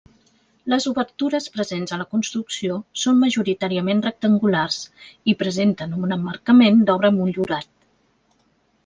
Les obertures presents a la construcció són majoritàriament rectangulars i presenten un emmarcament d'obra motllurat.